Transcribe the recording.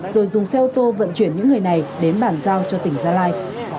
rồi dùng xe ô tô vận chuyển những người này đến bàn giao cho tỉnh gia lai